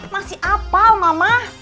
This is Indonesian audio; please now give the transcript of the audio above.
masih apal mama